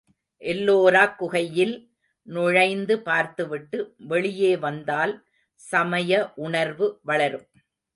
எல்லோராக் குகையில் நுழைந்து பார்த்துவிட்டு வெளியே வந்தால் சமய உணர்வு வளரும்.